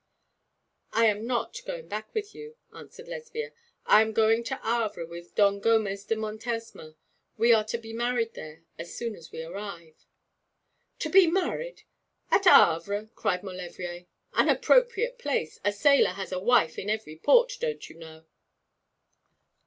'I am not going back with you,' answered Lesbia. 'I am going to Havre with Don Gomez de Montesma. We are to be married there as soon as we arrive.' 'To be married at Havre,' cried Maulevrier. 'An appropriate place. A sailor has a wife in every port, don't you know.'